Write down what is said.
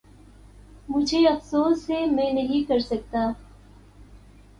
مجھے افسوس ہے میں نہیں کر سکتا۔